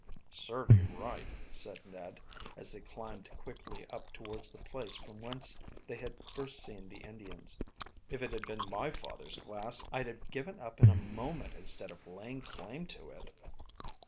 "Serve you right," said Ned, as they climbed quickly up towards the place from whence they had first seen the Indians. "If it had been my father's glass I'd have given up in a moment instead of laying claim to it."